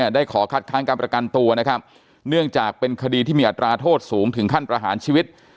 ได้ขอคัดค้างการประกันตัวนะครับเนื่องจากเป็นคดีที่มีอัตราโทษสูงถึงขั้นประหารชีวิต